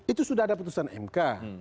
itu sudah ada putusan mk